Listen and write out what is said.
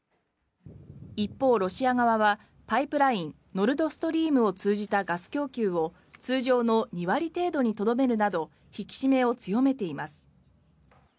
一方、ロシア側はパイプラインノルド・ストリームを通じたガス供給を通常の２割程度にとどめるなど引き締めを強めています。